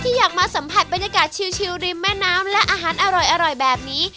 อยากมาสัมผัสบรรยากาศชิลริมแม่น้ำและอาหารอร่อยแบบนี้